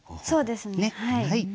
そうですね。